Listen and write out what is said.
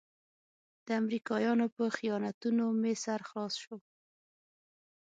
د امریکایانو په خیانتونو مې سر خلاص شو.